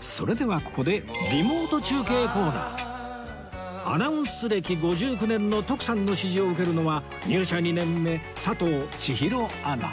それではここでアナウンス歴５９年の徳さんの指示を受けるのは入社２年目佐藤ちひろアナ